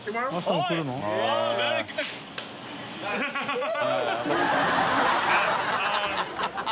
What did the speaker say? ハハハ